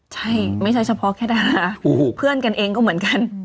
ใช่ไม่ใช่เฉพาะแค่ดาเพื่อนกันเองก็เหมือนกัน